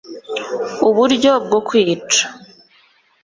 Uburyo bwo kwica